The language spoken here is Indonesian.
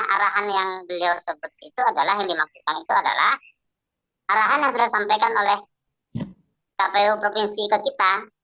arahan yang beliau sebut itu adalah yang dimaksudkan itu adalah arahan yang sudah disampaikan oleh kpu provinsi ke kita